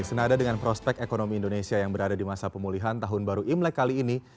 senada dengan prospek ekonomi indonesia yang berada di masa pemulihan tahun baru imlek kali ini